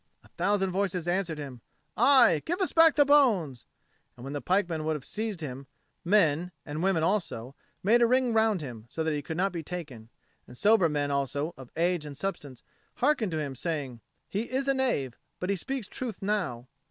a thousand voices answered him, "Aye, give us back the bones!" And when the pikemen would have seized him, men, and women also, made a ring round him, so that he could not be taken. And sober men also, of age and substance, hearkened to him, saying, "He is a knave, but he speaks truth now."